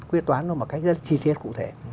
quyết toán nó một cách rất chi tiết cụ thể